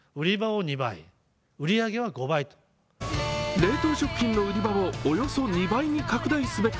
冷凍食品の売り場をおよそ２倍に拡大すべく